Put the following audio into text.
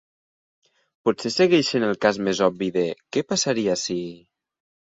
Potser segueix sent el cas més obvi de què passaria si...?